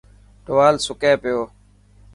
ٽوال سڪي پيو.